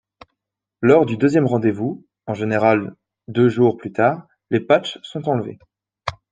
Lors du deuxième rendez-vous, en général deux jours plus tard, les patchs sont enlevés.